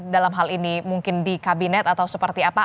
dalam hal ini mungkin di kabinet atau seperti apa